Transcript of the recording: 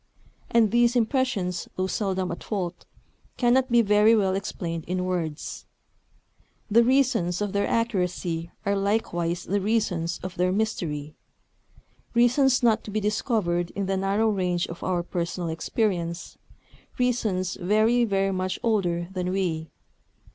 And these impressions, though seldom at fault, cannot be very well explained in words. The reasons of their accuracy are likewise the reasons of their mystery, reasons not to be discovered in the narrow range of our personal experience, reasons very, very much older than we.